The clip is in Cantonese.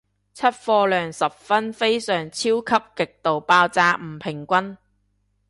出貨量十分非常超級極度爆炸唔平均